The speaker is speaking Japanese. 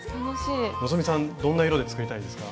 希さんどんな色で作りたいですか？